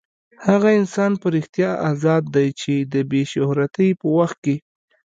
هغه انسان په رښتیا ازاد دی چې د بې شهرتۍ په وخت کې.